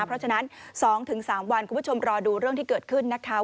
เพราะฉะนั้น๒๓วันคุณผู้ชมรอดูเรื่องที่เกิดขึ้นนะคะ